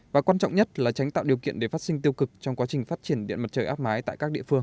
và quan trọng nhất là tránh tạo điều kiện để phát sinh tiêu cực trong quá trình phát triển điện mặt trời áp mái tại các địa phương